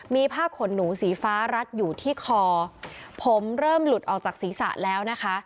มีผ้าขนหนูสีฟ้ารัดอยู่ที่คอผมเริ่มหลุดออกจากศีรษะแล้วนะคะ